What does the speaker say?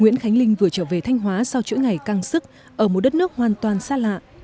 nguyễn khánh linh vừa trở về thanh hóa sau chuỗi ngày căng sức ở một đất nước hoàn toàn xa lạ